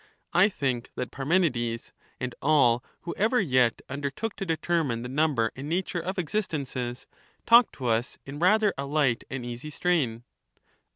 I think that Parmenides, and all who ever yet under fused. " took to determine the number and nature of existences, talked to us in rather a light and easy strain.